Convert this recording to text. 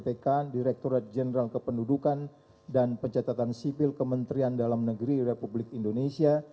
bpk direkturat jenderal kependudukan dan pencatatan sipil kementerian dalam negeri republik indonesia